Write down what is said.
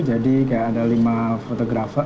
jadi kayak ada lima fotografer